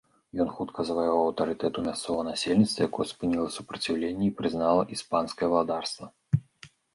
Ён хутка заваяваў аўтарытэт у мясцовага насельніцтва, якое спыніла супраціўленне і прызнала іспанскае валадарства.